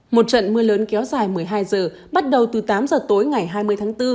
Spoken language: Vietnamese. một trận mưa lớn kéo dài một mươi hai giờ bắt đầu từ tám giờ tối ngày hai mươi tháng bốn